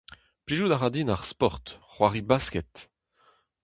Plijout a ra din ar sport, c'hoari basket.